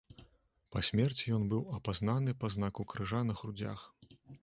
Па смерці ён быў апазнаны па знаку крыжа на грудзях.